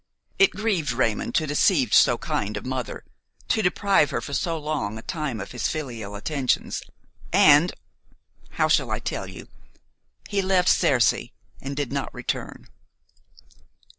It grieved Raymon to deceive so kind a mother, to deprive her for so long a time of his filial attentions; and–how shall I tell you?–he left Cercy and did not return.